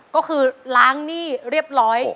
ก็คือล้างหนี้เรียบร้อย